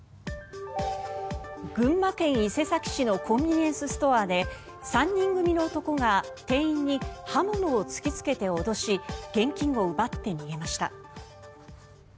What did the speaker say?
群馬県伊勢崎市のコンビニエンスストアで３人組の男が店員に刃物を突きつけて脅し現金を奪って逃げました。